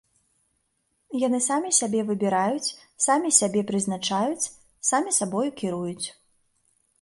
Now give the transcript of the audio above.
Яны самі сябе выбіраюць, самі сябе прызначаюць, самі сабою кіруюць.